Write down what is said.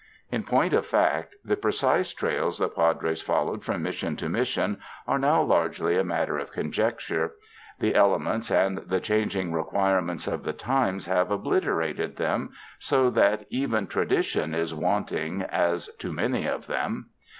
. In point of fact, the precise trails the Padres fol lowed from Mission to Mission are now largely a matter of conjecture. The elements and the chang ing requirements of the times have obliterated them so that even tradition is wanting as to many of them.